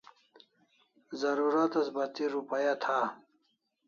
Zarurat as bati rupaya tha